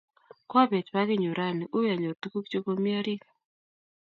Kwabet pakinyun rani, ui anyor tukuk che komi orit